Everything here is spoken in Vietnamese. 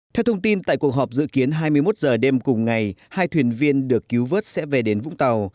theo thông tin tại cuộc họp dự kiến hai mươi một h đêm cùng ngày hai thuyền viên được cứu vớt sẽ về đến vũng tàu